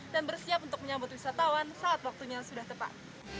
dan bersiap untuk menyambut wisatawan saat waktunya sudah tepat